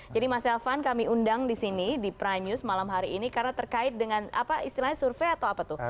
jadi mas elvan kami undang di sini di prime news malam hari ini karena terkait dengan apa istilahnya survei atau apa tuh